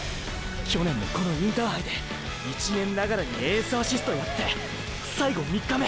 去年もこのインターハイで１年ながらにエースアシストやって最後３日目